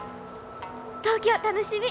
東京楽しみ！